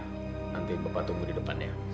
nanti bapak tunggu di depannya